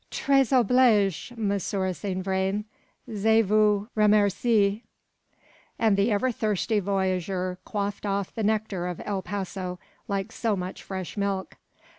"Tres oblige, Monsieur Saint Vrain. Je vous remercie." And the ever thirsty voyageur quaffed off the nectar of El Paso, like so much fresh milk.